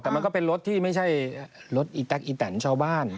แต่มันก็เป็นรถที่ไม่ใช่รถอีแต๊กอีแตนชาวบ้าน